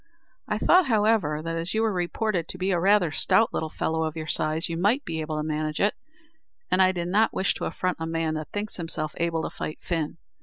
I thought, however, that as you were reported to be rather a stout little fellow of your size, you might be able to manage it, and I did not wish to affront a man that thinks himself able to fight Fin.